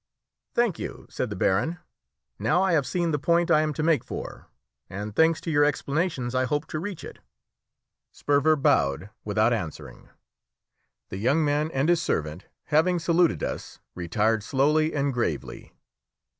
"Thank you," said the baron. "Now I have seen the point I am to make for; and, thanks to your explanations, I hope to reach it." Sperver bowed without answering. The young man and his servant, having saluted us, retired slowly and gravely.